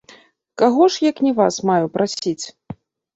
Каго ж, як не вас, маю прасіць?